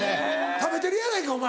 食べてるやないかお前。